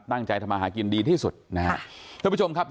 ตั้งใจทำอาหารกินดีที่สุดนะครับ